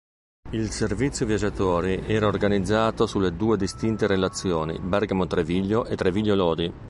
Il servizio viaggiatori era organizzato sulle due distinte relazioni Bergamo-Treviglio e Treviglio-Lodi.